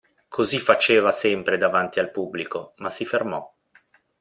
Così faceva sempre davanti al pubblico – ma si fermò.